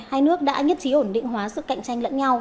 hai nước đã nhất trí ổn định hóa sự cạnh tranh lẫn nhau